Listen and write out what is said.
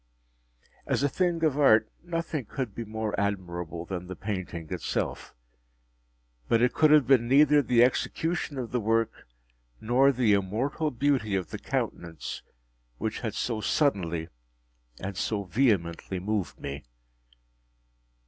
As a thing of art nothing could be more admirable than the painting itself. But it could have been neither the execution of the work, nor the immortal beauty of the countenance, which had so suddenly and so vehemently moved me.